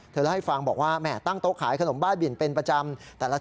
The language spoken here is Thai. เธอได้ฟังบอกว่าตั้งโต๊ะขายขนมบ้านบิ่นเป็นประจำ